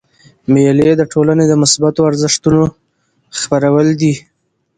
مېلې د ټولني د مثبتو ارزښتو خپرول دي.